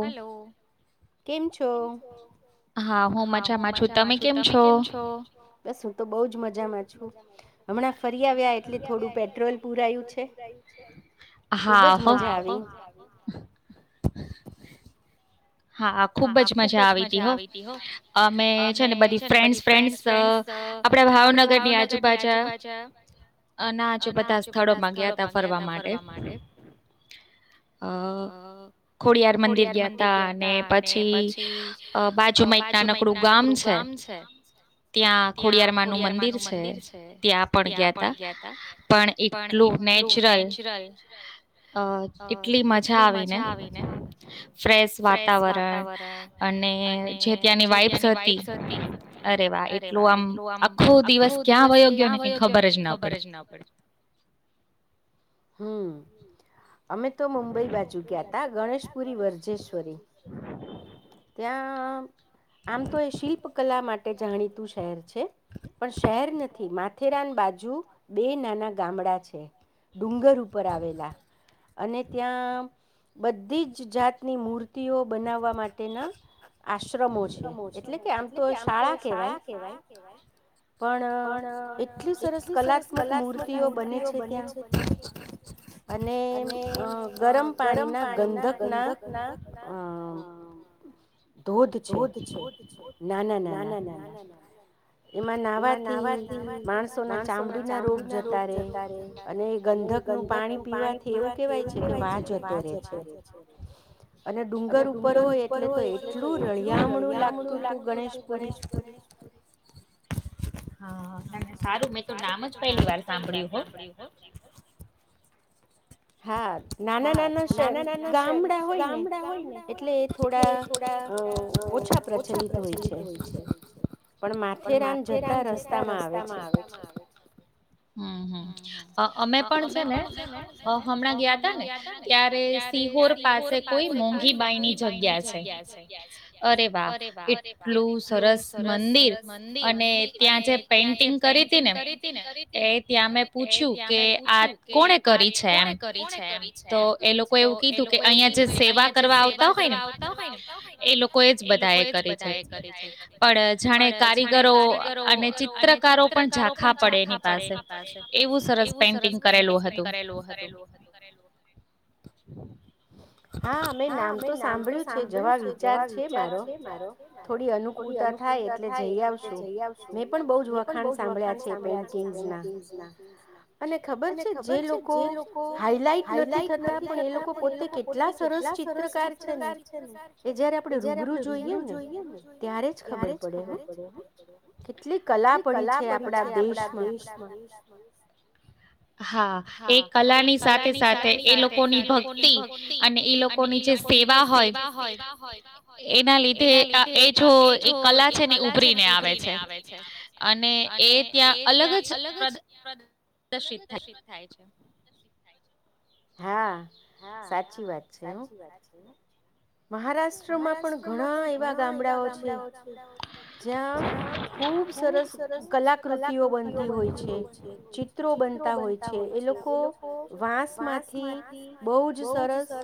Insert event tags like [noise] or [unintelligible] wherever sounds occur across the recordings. Hello. કેમ છો? હા હો ખૂબ જ મજા આવી. હા, ખુબ જ મજા આવી હતી હો અમે છે ને બધી ફ્રેન્ડસ-ફ્રેન્ડ્સ આપડા ભાવનગરની આજુબાજા ના આજુ બધા સ્થળોમાં ગયા તા ફરવા માટે અ ખોડિયાર મંદિર ગયા તા ને પ ને પછી બાજુમાં એક નાનકડું ગામ છે ત્યાં ખોડિયારમાનું મંદિર છે ત્યાં પણ ગયા તા પણ એટલું નેચરલ અ એટલી મજા આવીને ફ્રેશ વાત વાતાવરણ અને જે ત્યાંની વાઇબ્સ હતી. અરે વાહ! એટલું આમ આખો દિવસ કયા વયો ગયોને કે ખબર જ ના પડી. હમ. અમે તો મુંબઈ બાજુ ગયા તા ગણેશપુરી, વરજેશ્વરી. ત્યાં આમ તો એ શિલ્પ કલા માટે જાણીતું શહેર છે, પણ શહેર નથી માથેરાન બાજુ બે નાના ગામડા છે. ડુંગર ઉપર આવેલા અને ત્યાં બધી જ જાતની મૂર્તિઓ બનાવવા માટેના આશ આશ્રમો છે, એટલે કે આમ તો શાળા કહેવાય પણ એટલી સરસ કલાત્મક મૂર્તિઓ બને છે, ત્યાં અને ગરમ પાણીના ગંધકના અમ ધોધ છે, નાના-નાના. એમાં નાહવાથી માણસોના ચામડીના રોગ જતા રે અને ગંધક નું પાણી પીવાથી એવું કેવાય છે, કે વા જતો રહેે છે, અને ડુંગર ઉ પર હોય એટલે તો એટલું જ રળિયામણું લાગતું તું ગણેશપુરી, સારુ મેં તો નામ જ પહેલી વાર સાંભળ્યું હો. હા, નાના-નાના શ ગામડા હોય ને એટલે એ થોડા અ ઓછા પ્રચલિત હોય છે પણ માથેરાન જતા રસ્તામાં આવે છે. હમ્મ-હમ્મ અમે પણ છે ને હમણાં ગયા તા ને ત્યારે સિહોર પાસે કોઈ મોંઘીબાઈની જગ્યા છે, અરે વાહ! એટલું સરસ મંદિર અને ત્યાં જે પેન્ટિંગ કરી હતી ને ત્યાં મેં પૂછ્યું કે આ કોણે કરી છે? થાય આમ કોણે કરી છે આ? તો એ લોકો એવું કીધું કે અહિયાં જે સેવા કરવા આવતા હોય ને એ લોકો એ જ બધા એ કરી છે પણ જાણે કારીગરો અને ચિત્રકારો પણ ઝાખાં પડે એની પાસે. એવું સરસ પેઇન્ટિંગ કરેલું હતું. હા મેમે નામ તો સાંભળ્યું છે જવા વિચાર છે મારો થોડી અનુકૂળતા થાય એટ જઈ આવશું મેં પણ બૌજ વખાણ સાંભળ્યા છે અને ખબર છે જે લોકો હાઈલાઈટ નથી થતા પણ એ લોકો પોતે કેટલા સરસ ચિત્રકાર છે ને એ જયારે આપડે રૂબરૂુ જોઈએ ને ત્યારે જ ખબર પડે કેટલી કલા પડી છે આપડા દેશમાં હા. હા એ કલાની સાથે સાથે એ લોકોની ભક્તિ અને એઈ લોકોની જે સેવા હોય સેવા હોય એના લીધે એ જો એ કલા છે ને ઉભરીને આવે છે અને એ ત્યાં અલગ જ પ્રદર્શિત થાય હા. હા સાચી વાત છે મહારાષ્ટ્રમાં પણ ઘણા એવા ગામડાઓ છે જ્યાં ખુબ સરસ કલાકૃતિઓ બનતી હોય છે ચિત્રો બનતા હોય છે એ લોકો વાંસ માંથી સરસ સરસ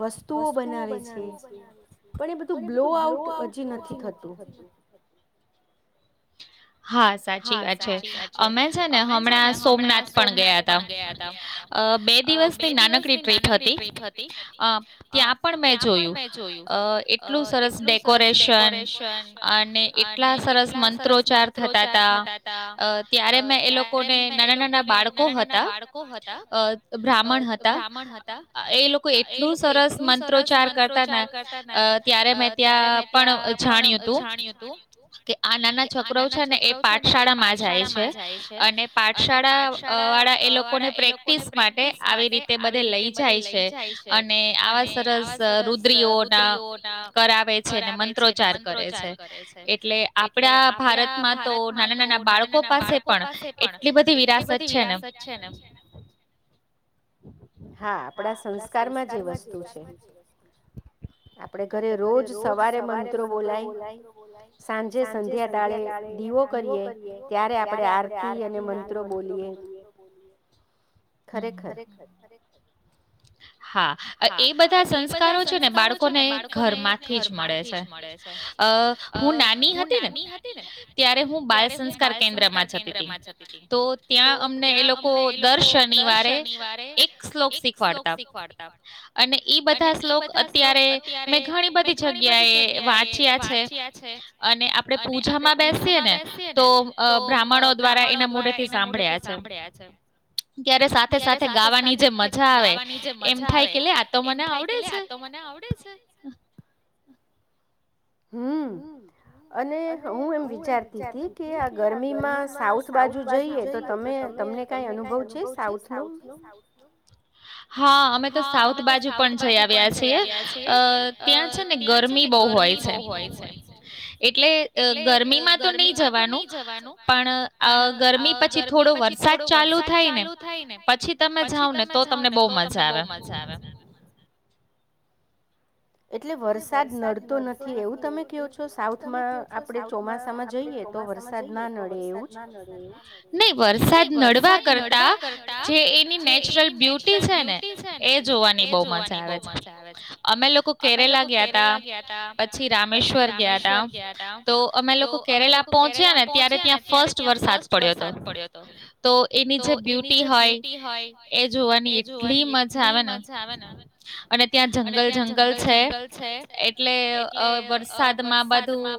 વસ્તુઓ પણ એ બધું બ્લો આઉટ હજી નથી થતું. હા સાચી વાત છે અમે છે ને હમણાં સોમનાથ પણ ગયા હતા અ બે દિવસની નાનકડી ટ્રીપ હતી અ ત્યાં પણ મેં જોયું અ એટલું સરસ ડેકોરેશન અને એટલા સરસ મ ચાર થતા હતા થતા તા ત્યારે મે એ લોકોને નાના નાના બાળકો હતા બ્રાહ્મણ હતા એ લોકો એટલું સરસ મંત્રોચ્ચાર કરતા ને ત્યારે મેં ત્યાં પણ જાણ્યું હતું [unintelligible] છે ને [unintelligible] છે ને એ પાઠશાળા માં જાય છે અને પાઠશાળા વાળા એ લોકોને પ્રેક્ટિસ માટે આવી રીતે બધે લઈ જાય છે અને આવા સરસ રુદ્રીઓ ના કરાવે છે મંત્રોચાર કરે છે એટલે ભારતમાં તો નાના નાના બાળકો પાસે પણ એટલી બધી વિરાસત છે ને હા આપડા સંસ્કારમાં જે વસ્તુ છે આપડે ઘરે રોજ સવારે મંત્રો બોલાયય સાંજે સંધ્યા તાળે દીવો કરીએ ત્યારે આપણે આરતી અને મંત્રો બોલીએ ખરેખર ખરેખર. હા, અ એ બધા સંસ્કારો છે ને બાળકોને ઘરમાંથી જ મળે છે. અ હું નાની હતીને ત્યારે હું બાલ સંસ્કાર કેન્દ્રમાં જતીતી. તો ત્યાં અમને એ લોકો દર શનિવારે તે એક શ્લોક શીખવાડતા. અને ઈ બધા શ્લોક અત્યારે મેં ઘણી બધી જગ્યાએ વાંચ્યા છે. અને આપડે પૂજામાં બેસીએ ને તો અ બ્રાહ્મણો દ્વારા એના મોઢેથી સાંભળ્યા છે. ત્યારે સાથે સાથે ગાવાની જે મજા આવે એમ થાય કે એમ થાય કે લે આતો મને આવડે છે. હમ. અને હું એમ વિચારતીતી કે આ ગરમીમાં સાઉથ બાજુ જઈએ તો તમે તમને કાંઈ અનુભવ છે, સાઉથનો? હા, અમે તો સાઉથ બાજુ પણ જઈ આવ્યા છીએ. અ ત્યાં છે ને ગરમી બહુ હોય છે. એટલે અ ગરમીમાં તો નહી જવાનું. પણ આઅ ગરમી પછી થોડો વરસાદ ચાલુ થાય ને પછી તમે જાાવ ને તો તમને બહુ મ તમને બહુ મજા આવે. એટલે વરસાદ નડતો નથી એવુ તમે ક્યો છો. સાઉથમાં આપડે ચોમાસામાં જઈએ તો વરસાદ ના નડ એવું. નહી વરસાદ નડવા કરતા જે એની નેચરલ બ્યુટી છે ને એ જોવાની બહું મજા આવે છે. અને મે લોકો કેરેલા ગ્યાતા પછી રામેશ્વર ગ્યાતા. તો અમે લોકો કેરેલા પહોંચ્યા ને ત્યારે ત્યાં ફર્સ્ટ વરસાદ પડ્યો હતો. તો એની જે બ્યુટી હોય એ જોવાની એટલી મજા આવે ને. અને ત્યાં જંગલ જંગ છે. એટલે અ વરસાદમાં બધું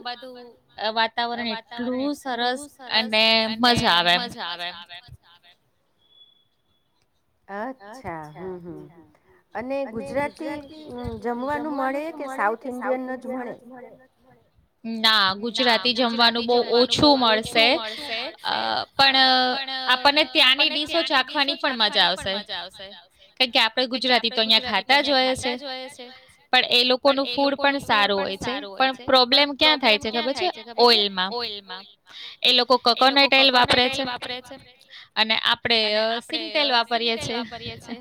અ વાતાવરણ એટલું સરસ અને મજા આવે એમ. અચ્છા હમ હમ. અને ગુજરાતી ઉહમ જમવાનું મળે કે સાઉથ ઇન્ડિયન ન જ મળે? ગુજરાતી જમવાનું બહુ ઓછું મળશે. અ પણ આપણને ત્યાંની ડીશો ચાખવાની પણ મજા આવશે. કેન કે આપડે ગુજરાતી તો અહિયાં ખાતા જ હોય છે. પણ એ લોકો ન ફૂડ પણ સારું હોય છે. પણ પ્રોબ્લેમ ક્યાં થાય છે એના પછી ઓઈલમાં. એ લોકો કોકોનેટેઈલ વાપરે છે. અને આપડે સિંગતેલ વાપરીએ છે હેહ.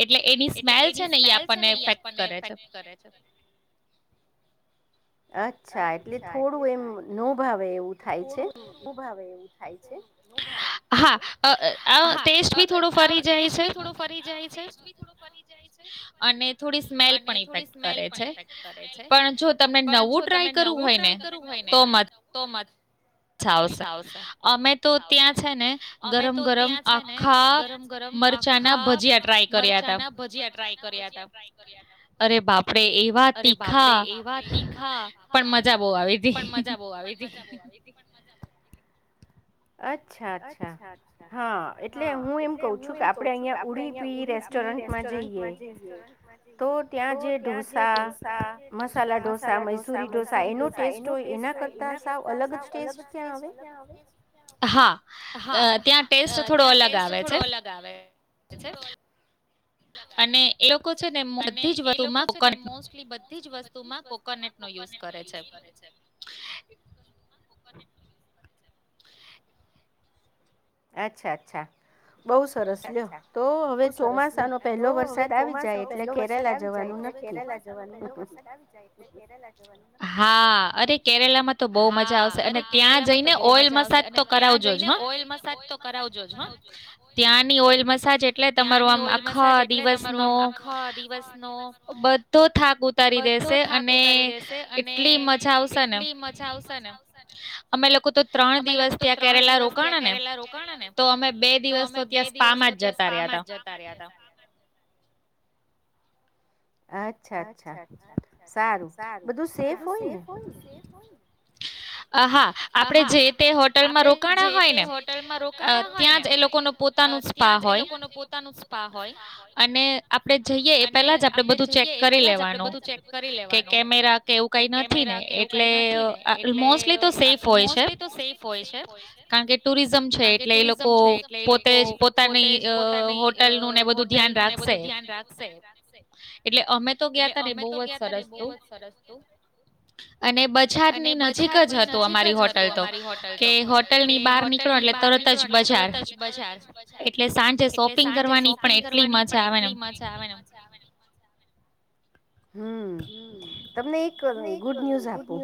એટલે એની સ્મેલ છે ને ઈ આપણને ઈફેક્ટ કરે છે. અચ્છા એટલે થોડું એમ નો ભાવ થોડું [unintelligible] ભાવે એવું થાય છે. હા, અ અ આઅ ટેસ્ટ બી થોડો ફરી જાય છે. અને થોડી સ્મેલ પણ ઇફેક્ટ કરે છે. પણ જો તમે નવું ટ્રાય કરવું હોય ને તો મત મત છાવશે. અમે તો ત્યાં છે ને ગરમ ગરમ આખા મરચાંના ભજીયા ટ્રાય કર્યાતા. અરે બાપરે એવા તીખા પણ મજા બઉ આવી. પણ મજા બઉ આવીતી. હે હી હી. અચ્છા અચ્છા હા એટલે હું એમ કહ છું કે આપડે અહિયાં ઉડીપી રેસ્ટોરન્ટમાં જઈએ તો ત્યાં જે ઢોસા મસાલા ઢોસા મૈસુરી ઢોસા એનો ટેસ્ટ હોય એના કરતા સાવ અલગ જ ટેસ્ટ ક્યાં આવે હા હા અ ત્યાં ટેસ્ટ થોડો અલગ આવે આવે છે અને એ સ્તુ કોટ કરે અચ્છા અચ્છા અચ્છા બો સરસ તો હવે ચોમાસા પહેલો વરસાદ આવી જાય એટલે કેરેલા જવાનું નક્કી હા અરે કેરેલામાં તો બહુ મજા આવશે અને ત્યાં જઈને ઓઈલ મસાજ તો કરાવજો હ. કરાવજો જ હ. ત્યાંની ઓઈલ મસાજ એટલે તમારો આમ આખા દિવસ નો દસ બધો થાક ઉતારી દેશે અને એટલી મજા આવશે ને એટલી મજા આવશેને અમે લોકો તો ત્રણ દિવસ ત્યાં કેરેલા રોકાણ ને. તો અમે બે દિવસ. બે દિવસ તો ત્યાં સપાામા જ જતા રહ્યા હતા. અચ્છા અચ્છા સારું બધું સેફ હોય ને. હા આપડણે જે તે હોટલમાં રોકાણા હોય ને ત્યાં જ એ લોકો ન પોતાનું સ્પા હોય અને આપડણે જઈએ એ પેલા જ આપડે બધું ચેક. કરી લેવાનું કે કેમેરા કે એવું કઈ નથી ને એટલે મોસ્ટલી. મોસ્ટલી તો સેફ હોય છે કારણ કે ટુરિઝમ છે એટલે એ લોકો પોતેજ પોતાની અ હોટલનું ને બધું ધ્યાન રાખશે બ્યાન રાખશે એટ- અમે તો ગયા ત ને એ બહુ જ સરસ તું અને બજારની નજીક જ. ની નજીક જ હતું અમારી હોટલ તો કે હોટલ ની બહાર નીકળો એટલે તરત જ બજાર એટલે સાંજે શોપિંગ કરવાની પણ એટલી મજા આવેને. હમ્મ તમને એક ગુડ ન્યૂઝ આપુ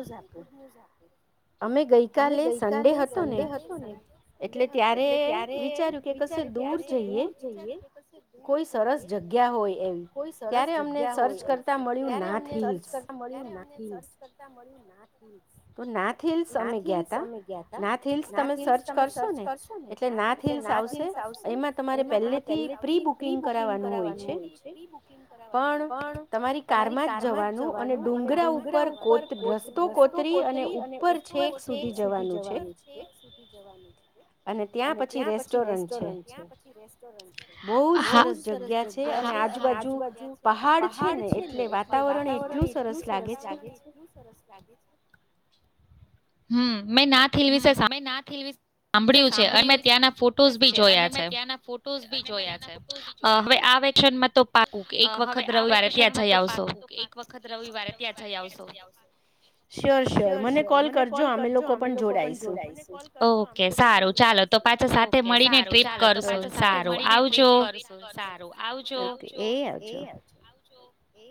અમે ગઈકાલે સન્ડે હતો ને એટલે ત્યારે વિચાર્યું કે ક દૂર જઈએ કોઈ સરસ. જગ્યા હોય એવી ત્યારે અમને સર્ચ કરતા મળ્યું નાથ હિલ્સ ત્યારેમ સર્ચ કરતા્યું નાથ હ. તો નાથ હિલ્લ્સ અમે ગયા તા નાથ હિલ્સ તમે સર્ચ કરશો ને એટલે નાથ હિલ્સ આવશે એમાં તમારે પહેલે થી પ્રી બુકિંગ કરાવવાનું હોય છે પણ તમારી કારમાં જ જવાનું અને ડુંગરા ઉપર કોત રસ્તો કોતરી અને. છેક સુધી જવાનું છે છેક સુધી જવાનું છે. અને ત્યાં પછી રેસ્ટોરન્ટ છે બહુ જ સરસ જગ્યા છે અને આજુબજુ પહાડ છે ને એટલે વાતાવરણ એટલું સરસ લાગે છે હમ્મ હમ્મ મે નાથ હીલ સાંભળ્યું છે અને મે ત્યાંના ફોટોસ ભી જોયા છે હવે આ વેકેશન તો પાકુ એક વખત રવિવારે ત્યાં જઈ આવશો. શ્યોર શ્યોર મને કોલ કરજો અમે લોકો. પણ જોડાઈશું ઓકે સારું ચાલો તો સાથે મળીને ટ્રીપ કરશું આવજો એ આવજો એ.